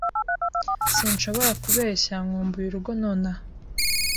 Sinshobora kubeshya Nkumbuye urugo nonaha